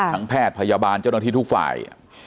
แพทย์พยาบาลเจ้าหน้าที่ทุกฝ่าย